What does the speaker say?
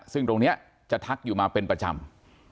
ซึ่งตรงนี้จะทักอยู่มาเป็นประจำ